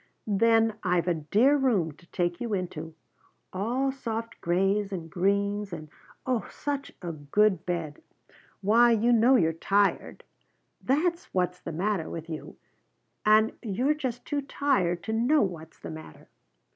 Then I've a dear room to take you into, all soft grays and greens, and oh, such a good bed! Why you know you're tired! That's what's the matter with you, and you're just too tired to know what's the matter."